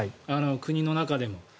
国の中でも。